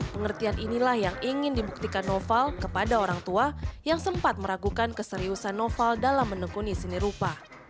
pengertian inilah yang ingin dibuktikan noval kepada orang tua yang sempat meragukan keseriusan noval dalam menekuni seni rupa